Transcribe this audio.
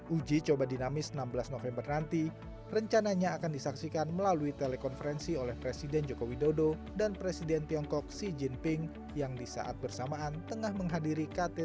uji coba dinamis enam belas november nanti rencananya akan disaksikan melalui telekonferensi oleh presiden jokowi dodo dan presiden tiongkok xi jinping yang di saat bersamaan tengah menghadiri ktt g dua puluh di bali